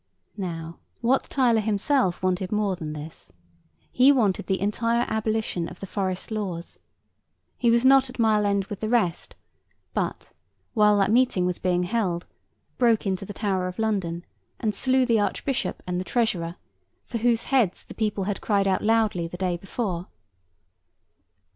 Now, Wat Tyler himself wanted more than this. He wanted the entire abolition of the forest laws. He was not at Mile end with the rest, but, while that meeting was being held, broke into the Tower of London and slew the archbishop and the treasurer, for whose heads the people had cried out loudly the day before.